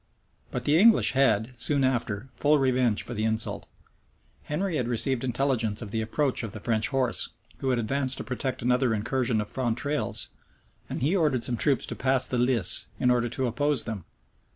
[*] But the English had, soon after, full revenge for the insult. Henry had received intelligence of the approach of the French horse, who had advanced to protect another incursion of Fontrailles; and he ordered some troops to pass the Lis, in order to oppose them.